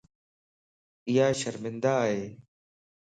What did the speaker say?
ايا شرمندا ائي.